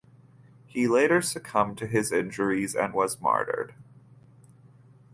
He later succumbed to his injuries and was martyred.